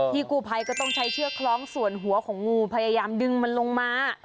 กูภัยก็ต้องใช้เชือกคล้องส่วนหัวของงูพยายามดึงมันลงมา